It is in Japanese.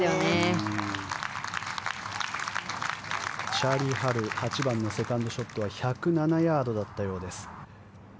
チャーリー・ハル８番のセカンドショットは１０７ヤードだったようです。